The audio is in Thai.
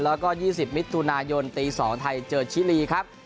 แล้วก็๒๐มิถุนายนตี๒ไทยเจอชิลีครับ